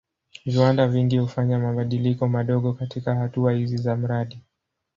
Viwanda vingi hufanya mabadiliko madogo katika hatua hizi za mradi.